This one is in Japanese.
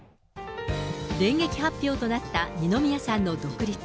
電撃発表となった二宮さんの独立。